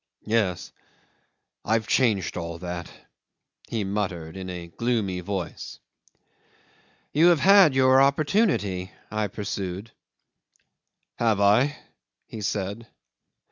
'"Yes I've changed all that," he muttered in a gloomy voice. '"You have had your opportunity," I pursued. '"Have I?" he said.